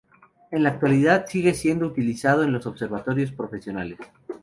En la actualidad sigue siendo utilizado en los observatorios profesionales.